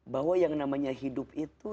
bahwa yang namanya hidup itu